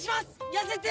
痩せて！